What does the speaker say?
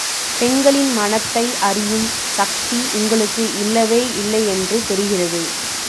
பெண்களின் மனத்தை அறியும் சக்தி உங்களுக்கு இல்லவே இல்லையென்று தெரிகிறது.